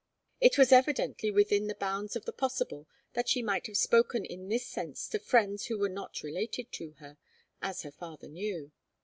It was evidently within the bounds of the possible that she might have spoken in this sense to friends who were not related to her, as her father knew.